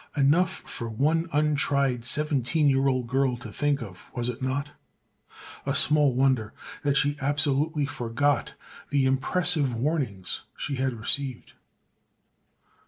Enough for one untried, seventeen year old girl to think of, was it not? And small wonder that she absolutely forgot the impressive warnings she had received.